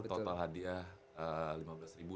total hadiah lima belas ribu